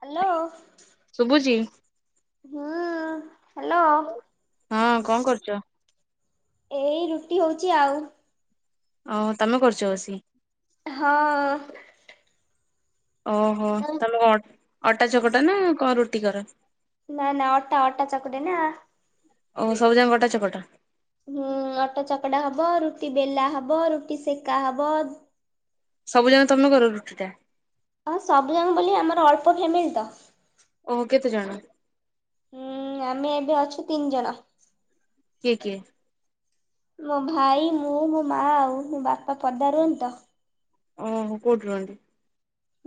Hello. ଶୁଭୁଛିି। ହୁଁ hello. ହଁ କଣ କରୁଛ? ଏଇ ରୁଟି ହଉଛି ଆଉ। ଓହ ତମେ କରୁଛ ବସି। ହଁ। ହଁ। ଓହୋ ତମେ କଣ ଅଟା ଚକଟା ନା କଣ ରୁଟି କର? ନା ନା ଅଟା ଅଟା ଚକୁଟେ ନା। ଓ ସବୁ ଯାକ ଅଟା ଚକଟ? ହୁଁ ଅଟା ଚକଡ଼ା ହବ ରୁଟି ବେଲା ହବ ରୁଟି ସେକା ହବ। ସବୁଯାକ ତମେ କର ରୁଟି ଟା? ହଁ ସବୁ ଯାଙ୍କ ବୋଲି ଆମର ଅଳ୍ପ ଫ୍ୟାମିଲି ତ। ଓ କେତେଜଣ? ହୁଁ ଆମେ ଏବେ ଅଛୁ ତିନି ଜଣ। କିଏ କିଏ? ମୋ ଭାଇ ମୁଁ ମୋ ମା ଆଉ ମୋ ବାପା ପଦାରେ ରୁହନ୍ତି ତ। ଓହ କଉଠି ରୁହନ୍ତି?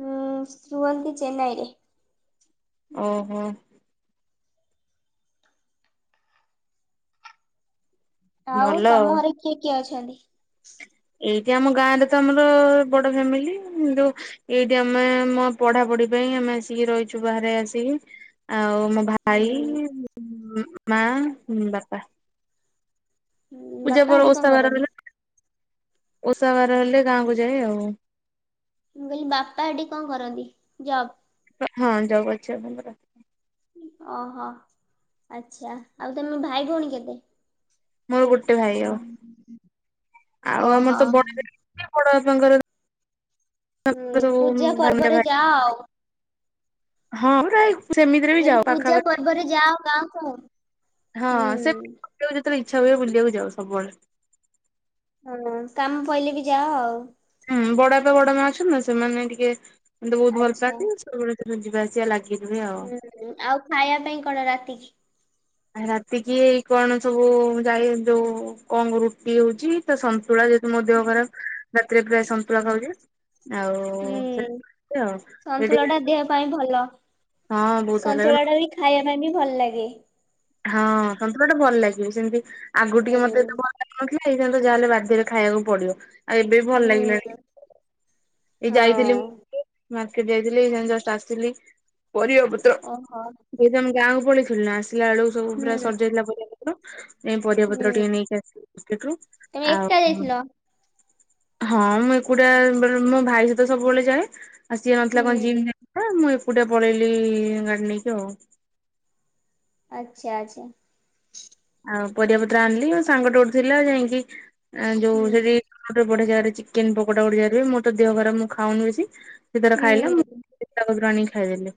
ହୁଁ ଶୁଅନ୍ତି ଚେନ୍ନାଇ ରେ। ଓହୋ। ଆଉ ତମ ଘରେ କିଏ କିଏ ଅଛନ୍ତି? ଏଇଠି ଆମ ଗାଁରେ ତ ଆମର ବଡ ଫ୍ୟାମିଲି ଯୋଉ ଏଇଠି ଆମେ ମୋ ପଢାପଢି ପାଇଁ ଆମେ ଆସିକି ରହିଛୁ ବାହାରେ ଆସିକି। ଆଉ ମୋ ଭାଇ ମା ବାପା। ହୁଁ ପୂଜା ବାପା ପରେ ହେଠି କଣ ଓଷା ବାର କରନ୍ତି ହେଲା ଓଷା ବାର ହେଲେ ଗାଁକୁ ଯାଏ ଆଉ। ମୁଁ କହିଲି ବାପା ସେଠି କଣ କରନ୍ତି ଜବ୍? ହଁ ଜବ୍ ଅଛି ବାପାଙ୍କର। ଓହୋ ଆଚ୍ଛା ଆଉ ତମେ ଭାଇ ଭଉଣୀ କେତେ? ମୋର ଗୋଟେ ଭାଇ ଆଉ ଆଉ ଓହୋ ଆମର ତ ବଡ ବଡ ବାପାଙ୍କର [unintelligible] ହୁଁ ସ ପୂଜା ଭନ୍େ ପର୍ବରେ ଭ ଯାଅ ଆଉ। [unintelligible] ମୁଁ ହଁ। [unintelligible] ମୁ କହିଲି ଯାଉ ପୂଜା ପାଖାପାଖି ପର୍ବରେ ଯାଅ ଗାଁକୁ ହଁ ହୁଁ। ସେ ଯେତେବେଳେ ଇଚ୍ଛା ହୁଏ ବୁଲିଆକୁ ଯାଉ ସବୁବେଳେ। ହଁ କାମ ପଇଲେ ବି ଯାଅ ଆଉ। ହୁଁ ବଡଆପା ବଡମା ଅଛନ୍ତି ନା ସେମାନେ ଟିକେ ମତେ ବହୁତ ଭଲ ଆଚ୍ଛା ପାଆନ୍ତି ସବୁବେଳେ ସେମି ଯିବାଆସିବା ଲାଗେ। ଗି ରୁହେ ଆଉ। ହୁଁ ଆଉ ଖାଇବା ପାଇଁ କଣ ରାତିକି? ଆ ରାତି କିି ଏଇ କଣ ସବୁ ଯାଇ ହେ ଯୋଉ କଣ ରୁଟି ହଉଛି ତ ସନ୍ତୁଳା ଯେ। ମୋ ଦେହ ଖରାପ। ରାତିରେ ପ୍ରାୟ ସନ୍ତୁଳା ଖାଉଛି। ହୁଁ ଆଉ ସନ୍ତୁଳା ଟା [unintelligible] ଦେହ ପାଇଁ ଭଲ। ହଁ ବହୁତ ଭଲ ସନ୍ତୁଳା ଲାଗେ। ଟା ବି ଖାଇବା ପାଇଁ ବି ଭଲ ଲାଗେ। ହଁ ସନ୍ତୁଳାଟା ଭଲ ଲାଗିବ ସେମିତି ଆଗରୁ ଟିକେ ମୋତେ। ହୁଁ ଏଇଶାନ୍ତ ଯାହେଲେ ବାଧ୍ୟରେ ଖାଇବାକୁ ପଡିବ। ଆଉ ଏବେ ବି ଭଲ ଲାଗିଲାଣି। ହୁଁ ଏଇ ଯାଇଥିଲି ହଁ ମାର୍କେଟ ଯାଇଥିଲି ଏଇଶାଙ୍ଗେ ଜଷ୍ଟ ଆସିଲି ପରିବା। ପତ୍ର ଓହୋ। ଆମେ ଗାଁକୁ ପଳେଇଥିଲୁ ନାଁ ଆସିଲା ବେଳକୁ ସବୁ ପୁରା ହୁଁ ସରିଯାଇଥିଲା ପରିବା ପତ୍ର। ଏଇ ପରିବା ପତ୍ର ଟିକେ ହୁଁ ନେଇକି ଆସିଲି ମାର୍କେଟରୁ ତମେ ଆଉ ଏକା କଣ। ଯାଇଥିଲ? ହଁ ମୁଁ ଏକୁଟିଆ ବେଳେ ମୋ ଭାଇ ସହିତ ସବୁବେଳେ ଯାଏ। ଆଉ ସିଏ ନଥିଲା କଣ ହୁଁ ଜିମ୍ ଯାଇଥିଲା ମୁଁ ଏକୁଟଆ ପଳେଇଲି ଗାଡି ନେଇକି ଆଉ। ଆଚ୍ଛା ଆଚ୍ଛା। ଆଉ ପରିବାପତ୍ର ଆଣିଲି ଆଉ ସାଙ୍ଗଟେ ଗୋଟେ ଥିଲା ଯାଇକି ଯୋଉ ହୁଁ ସେଠି। ଗୋଟେ ବଢିଆ ଜାଗାରେ ଚିକେନ୍ ପକୋଡା ଗୋଟେ ଜାଗାରେ ହୁଏ। ମୋର ତ ଦେହ ଖରାପ ମୁଁ ଖାଉନି ବେଶି ସେ ତାର ଖାଇଲା। ହୁଁ। ପତ୍ର ଆଣିକି ଖାଇଦେଲି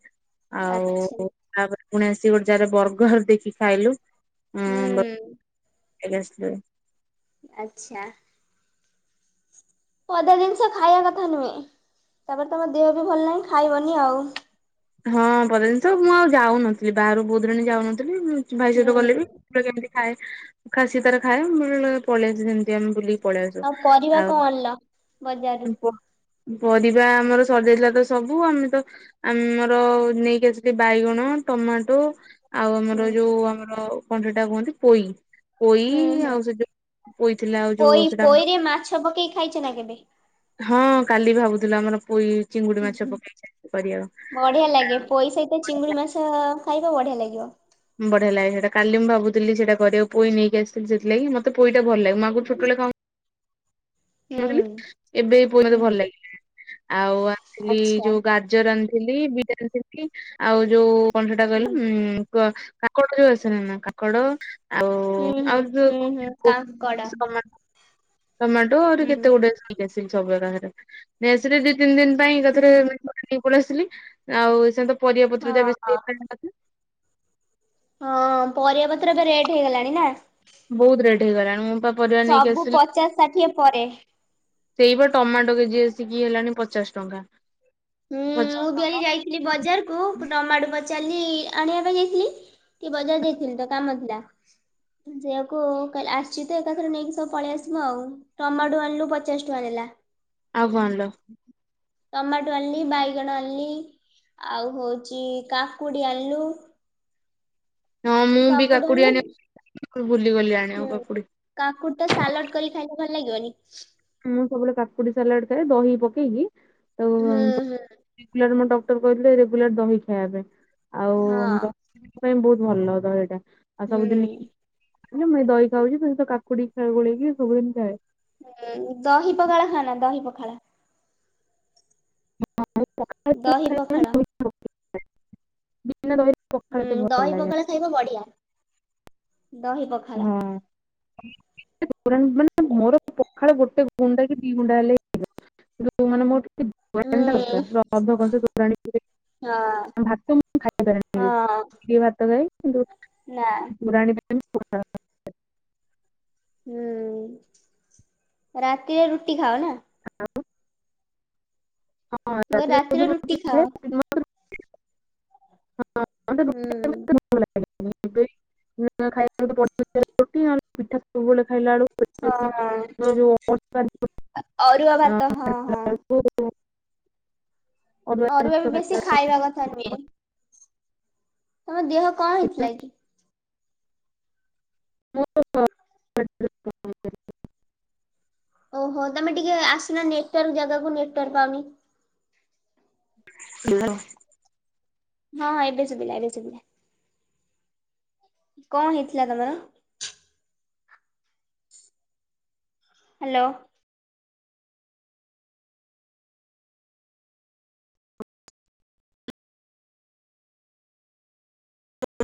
ଆଉ। ଆଚ୍ଛା ତାପରେ ପୁଣି ଆସିିକି ଗୋଟେ ଯାଗାରେ ବର୍ଗର ଦେଖିକି ଖାଇଲୁ। ହୁଁ। ଏବେ ଆସିଥିଲେ। ଆଚ୍ଛା। ଅଧା ଜିନିଷ ଖାଇବା କଥା ନୁହେଁ। ତାପରେ ତମ ଦେହ ବି ଭଲ ନାହିଁ ଖାଇବନି ଆଉ। ହଁ ପଦା ଜିନିଷ ମୁଁ ଆଉ ଯାଉନଥିଲି ବାହାରୁ ବହୁତ ଦିନ ହେଲାଣି ଯାଉନଥିଲି। ମୁଁ ଭାଇ ସହିତ ହୁଁ ଗଲେ ବି- ସେ ଯେମିତି ଖାଏ। ସେ ତାର ଖାଏ। ବ ପଳେଇଆସେ ସେମିତି ଆମେ ବୁଲିକି। ପଳେଇ ଆସ ଆଉ ପରିବା ଆଉ କଣ ଆଣିଲ? ବଜାରରୁ ପ ପ। ପରିବା ଆମର ସରିଯାଇଥିଲା ତ ସବୁ ଆମେ ତ ଆମର। ଆଉ ନେଇକି ଆସିଚି ବାଇଗଣ, ଟମାଟୋ ଆଉ ଆମର ହୁଁ ଯୋଉ ଆମର। କଣ ସେଟା କୁହନ୍ତି ପୋଇ। ପୋଇ ହୁଁ ହୁଁ ଆଉ ସେ ଯୋଉ ପୋଇଥିଲା ଆଉ ଯୋଉ ପୋଇ ସେଟା। ପୋଇରେ ମାଛ ପକେଇ ଖାଇଛ ନା କେବେ? ହଁ କାଲି ଭାବୁଥିଲୁ ଆମର ପୋଇ ଚିଙ୍ଗୁଡି ମାଛ ପକେଇକି କରିବାକୁ। ବଢ଼ିଆ ଲାଗେ ପୋଇ ସହିତ ଚିଙ୍ଗୁଡ଼ି ମାଛ ଖାଇବ ବଢ଼ିଆ ଲାଗିବ। ବଢିଆ ଲାଗେ ସେଟା କାଲି ମୁଁ ଭାବୁଥିଲି ସେଟା କରିବାକୁ ପୋଇ ନେଇକି ଆସିଥିଲି ସେଥିଲାଗି ମୋତେ ପୋଇଟା ଭଲ ଲାଗେ। ମୁଁ ଆଗୁରୁ ହୁଁ ଛୋଟବେଳେ ଖାଉ। ହୁଁ ଏବେ ପୋଇ ମୋତେ ହୁଁ ଭଲ ଲାଗିଲାଣି। ଆଉ ଆଣିଥିଲି ଆଚ୍ଛା ଯୋଉ ଗାଜର ଆନ୍। ଥିଲି ବିଟ୍ ଆଣିଥିଲି। ଆଉ ଯୋଉ କଣ ସେଟା ହୁଁ କହିଲ ଉଁ। କ କାଙ୍କଡ ଯୋଉ ଆସେ ନାଇନା କାଙ୍କଡ। ଆଉ ହୁଁ ହୁଁ ହୁଁ ହୁଁ କାଙ୍କଡ [unintelligible] ଟମାଟୋ ଆହୁରି ହୁଁ କେତେ ଗୁଡେ [unintelligible] ସବୁ ଏକାଥରେ ନେଇ ଆସିଲେ ଦି ତିନି ଦିନ ପାଇଁ ଏକାଥରେ। ହୁଁ ପଳେଇଆସିଲି ଆଉ ସେ ପରିବାପତ୍ର ଯା ହଁ ବେଶୀ [unintelligible] ହଁ ପରିବା ପତ୍ର ଏବେ ରେଟ୍ ହେଇଗଲାଣି ନା। ବହୁତ୍ ରେଟ ହେଇଗଲାଣି ମୁଁ ପା। ପରିବା ନେଇକି ସବୁ ଆସିଲି ପଚାଶ ଷାଠିଏ ପରେ। ସେଇପା ଟମାଟୋ କେଜି ଆସିକି ହେଲାଣି ପଚାଶ ଟଙ୍କା। ହୁଁ ପଚାଶ ମୁଁ ବି ଟଙ୍କା ଆଜି ଯାଇଥିଲି ବଜାରକୁୁ ଟମାଟୁ ପଚାରିଲି ଆଣିବା ପାଇଁ ଯାଇଥିଲି। ଟିକେ ବଜାର ଯାଇଥିଲି ତ କାମ ଥିଲା। ଯିବାକୁ କହିଲ ଆସିଛି ତ ଏକାଥରେ ନେଇକି ସବୁ ପଳେଇ ଆସିବ ଆଉ। ଟମାଟୋ ଆଣିଲୁ ପଚାଶ ଟଙ୍କା ନେଲା ଆଉ କଣ ଆଣିଲ ଟମାଟୋ। ଆଣିଲି ବାଇଗଣ ଆଣିଲି ଆଉ ହଉଛି କାକୁଡି ଆଣିଲି। ହଁ ମୁଁ ବି କାକୁଡି ଆଣିଲୁ ଆଣିବା, ଭୁଲିଗଲି ଆଣିବାକୁ କାକୁଡି। କାକୁଡ ଟା ସାଲଡ କରି ଖାଇଲେ ଭଲ ଲାଗିବନି? ମୁଁ ସବୁବେଳେ କାକୁଡି ସାଲାଡ ଖାଏ। ଦହି ପକେଇକି ହୁଁ ତ ହୁଁ। ରେଗୁଲାର ମୋତେ ଡକ୍ଟର କହିଥିଲେ ରେଗୁଲାର ଦହି ଖାଇବାକୁ। ଆଉ ହଁ। ପାଇଁ ବହୁତ୍ ଭଲ ଦହି ଟା। ଆଉ ହୁଁ ସବୁଦିନି ନା ମୁଁ ଦହି ଖାଉଚି। ପୁଣି ତ କାକୁଡି ଗୋଳେଇକି ସବୁଦିନି ଖାଏ। ଦହି ପଖାଳ ଖାଓ ନା ଦହି ପଖାଳ? ଦହି ପଖାଳ। [unintelligible] ଦହିରେ ପଖାଳ ହୁଁ ଏତେ ଭଲ ଦହି ଲାଗେନି ପଖାଳ ଖାଇବ ବଢିଆ। ଦହି ପ ହୁଁ। ମାନେ ମୋର ପଖାଳ ଗୋଟେ ଗୁଣ୍ଡା କି ଦି ଗୁଣ୍ଡା ହେଲେ ହେଇଯିବ। [unintelligible] ହୁଁ ପୁରା ଅଧ କଂସେ ତୋରଣି ହଁ ପିଇଦେବି। ଭାତ ମୁଁ ଖାଇ ହଁ [unintelligible] ଭାତ ଖାଏ। କିନ୍ତୁ ନା। [unintelligible] ହୁଁ। ରାତିରେ ରୁଟି ଖାଅ ନା? ହଁ ମୁ କହିଲି ରାତିରେ ଯୋଉଦିନ ରୁଟି ଖାଏ ଖାଅ। ମତେ ରୁଟି ହୁଁ। ଭଲ ଲାଗେନି ଏବେ [unintelligible] ପିଠା ସବୁବେଳେ ଖାଇଲା ବେଳ କୁ ହଁ। ଅଳସୁଆ ଅରୁଆ ଭାତ ହଁ ହଁ। ଅରୁଆ ବି ଜିନିଷ ବେଶୀ ଖାଇଲା ଖାଇବା କଥା ନୁହେଁ। ତମ ଦିହ କଣ ହେଇଥିଲା କି? ଓହୋ। ତମେ ଟିକେ ଆସୁନ ନେଟୱାର୍କ ଜାଗାକୁ ନେଟୱାର୍କ ପାଉନି। ହାଲୋ। ହଁ ଏବେ ଶୁବିଲା ଏବେ ଶୁବିଲା। କଣ ହେଇଥିଲା ତମର? ହାଲୋ।